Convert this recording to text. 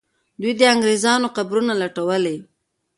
دوی د انګریزانو قبرونه لټولې.